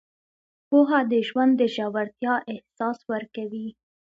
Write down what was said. پوهه د ژوند د ژورتیا احساس ورکوي.